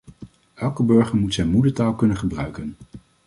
Elke burger moet zijn moedertaal kunnen gebruiken.